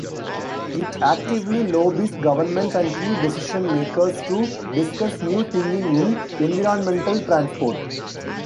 It actively lobbies government and key-decision makers to discuss new thinking in environmental transport.